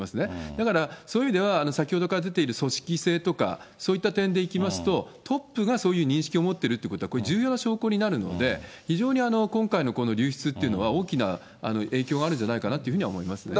だからそういう意味では、先ほどから出ている組織性とか、そういった点でいきますと、トップがそういう認識を持ってるってことは、これ、重要な証拠になるので、非常に今回のこの流出というのは、大きな影響があるんじゃないかなっていうふうには思いますね。